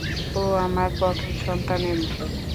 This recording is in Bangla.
ও আমার প্রথম সন্তানের মতো!